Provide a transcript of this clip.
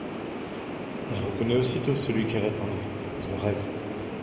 Elle reconnaît aussitôt celui qu'elle attendait, son rêve.